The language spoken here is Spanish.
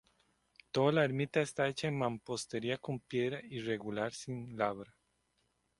Toda la ermita está hecha en mampostería, con piedra irregular sin labra.